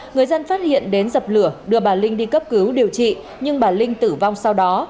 người dân phát hiện đến dập lửa đưa bà linh đi cấp cứu điều trị nhưng bà linh tử vong sau đó